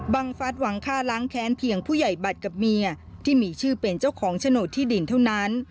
ฟัดหวังฆ่าล้างแค้นเพียงผู้ใหญ่บัตรกับเมียที่มีชื่อเป็นเจ้าของโฉนดที่ดินเท่านั้น